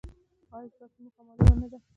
ایا ستاسو موخه معلومه نه ده؟